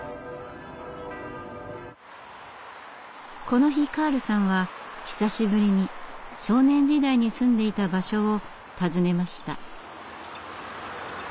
この日カールさんは久しぶりに少年時代に住んでいた場所を訪ねました。